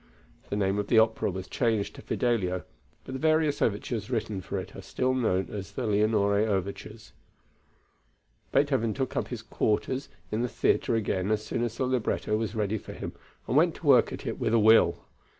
The name of the opera was changed to Fidelio, but the various overtures written for it are still known as the Leonore overtures. Beethoven took up his quarters in the theatre again as soon as the libretto was ready for him and went to work at it with a will.